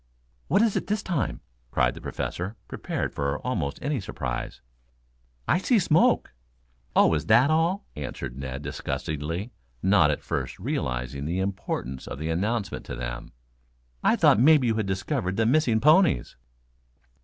"What is it this time?" cried the Professor, prepared for almost any surprise. "I see smoke!" "Oh, is that all," answered Ned disgustedly, not at first realizing the importance of the announcement to them. "I thought maybe you had discovered the missing ponies."